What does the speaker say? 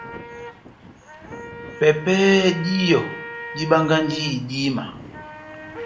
Pɛpɛhɛ díyɔ, dibangahi idíma.